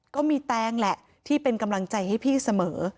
แตงแหละที่เป็นกำลังใจให้พี่เสมอ